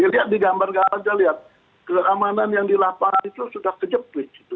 dilihat di gambar garis keamanan yang dilapar itu sudah kejepit